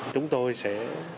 chúng tôi sẽ